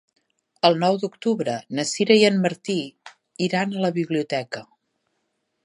El nou d'octubre na Sira i en Martí iran a la biblioteca.